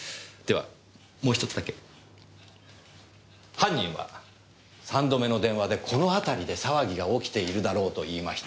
犯人は三度目の電話で「この辺りで騒ぎが起きているだろう」と言いました。